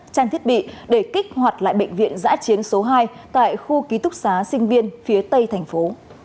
trang thiết bị để kích hoạt lại bệnh viện giã chiến số hai tại khu ký túc xá sinh viên phía tây thành phố